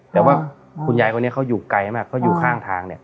แต่ว่าคุณยายคนนี้เขาอยู่ไกลมากเขาอยู่ข้างทาง